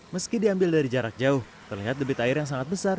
meski diambil dari jarak jauh terlihat debit air yang sangat besar